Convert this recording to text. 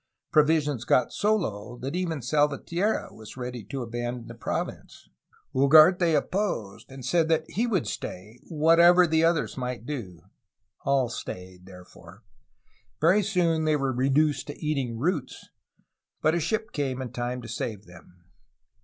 Provisions got so low that even Salva tierra was ready to abandon the province. Ugarte opposed, and said that he would stay, whatever the others might do. All stayed therefore. Very soon they were reduced to eating roots, but a ship came in time to save them.